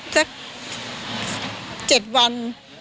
สัก๗วัน